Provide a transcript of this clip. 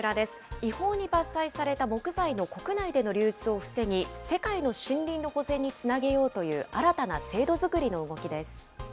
違法に伐採された木材の国内での流通を防ぎ、世界の森林の保全につなげようという、新たな制度作